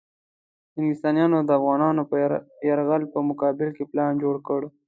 انګلیسیانو د افغانانو یرغل په مقابل کې پلان جوړ کړ.